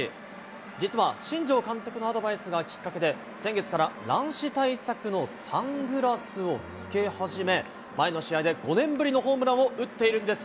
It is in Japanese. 実は、新庄監督のアドバイスがきっかけで、先月から乱視対策のサングラスをつけ始め、前の試合で５年ぶりのホームランを打っているんです。